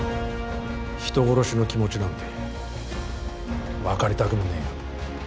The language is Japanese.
人殺しの気持ちなんて分かりたくもねえよ